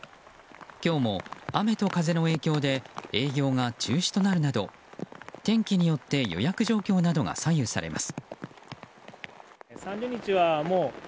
今日も雨と風の影響で営業が中止となるなど天気によって予約状況などが左右されます。